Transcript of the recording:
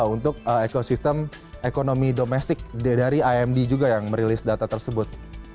untuk ekosistem ekonomi domestik dari imd juga yang merilis data tersebut